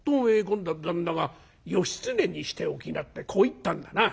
今度は旦那が『義経にしておきな』ってこう言ったんだな」。